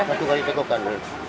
satu kali tegukan